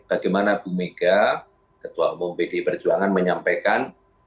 bagaimana bu mega ketua umum pdi perjuangan menyampaikan